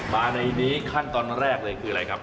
มาในนี้ขั้นตอนแรกเลยคืออะไรครับ